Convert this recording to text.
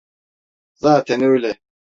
Zaten öyle.